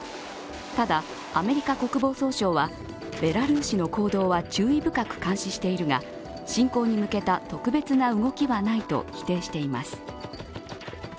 ただ、アメリカ国防総省はベラルーシの行動は注意深く監視しているが侵攻に向けた特別な動きはないと否定しています。